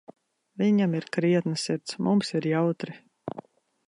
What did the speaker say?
Viņam ir krietna sirds, mums ir jautri.